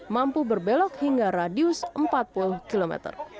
mampu berbelok hingga radius empat puluh km